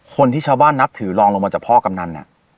คนที่ชาวบ้านนับถือลองลงมาจากพ่อกำนัน